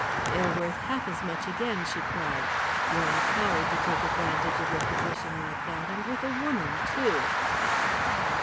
"They are worth half as much again," she cried. "You are a coward to take advantage of your position like that, and with a woman too."